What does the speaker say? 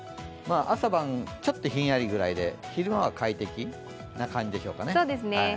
朝晩、ちょっとひんやりぐらいで昼間は快適な感じでしょうかね。